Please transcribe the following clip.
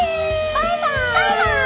バイバイ。